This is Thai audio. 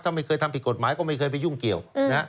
ถ้าไม่เคยทำผิดกฎหมายก็ไม่เคยไปยุ่งเกี่ยว